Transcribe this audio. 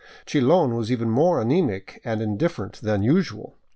Chilon was even more anemic and indifferent than usual.